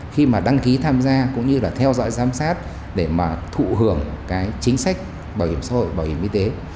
khi mà đăng ký tham gia cũng như là theo dõi giám sát để mà thụ hưởng cái chính sách bảo hiểm xã hội bảo hiểm y tế